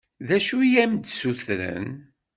D acu i am-d-ssutren?